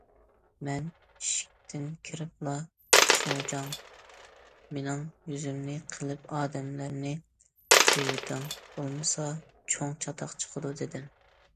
مەن ئىشىكتىن كىرىپلا:« سوجاڭ، مېنىڭ يۈزۈمنى قىلىپ ئادەملەرنى قويۇۋېتىڭ، بولمىسا چوڭ چاتاق چىقىدۇ» دېدىم.